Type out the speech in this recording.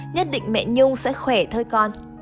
nhất định mẹ nhung sẽ khỏe thôi con